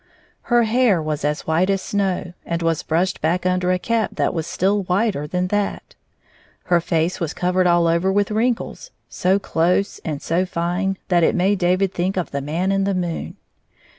Her hair was as white as snow, and was brushed back under a cap that was still whiter than that. Her face was covered all over with wrinkles, so close and so fine that it made David think of the Man in the moon.